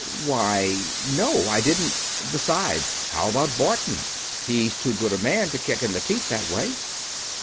"Why, no ... I didn't.... Besides, how about Barton? He's too good a man to kick in the teeth that way."